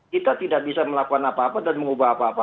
kita tidak bisa melakukan apa apa dan mengubah apa apa